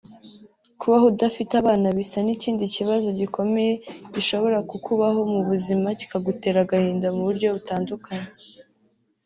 Kubaho udafite abana bisa n’ikindi kibazo gikomeye gishobora kukubaho mu buzima kikagutera agahinda mu buryo butandukanye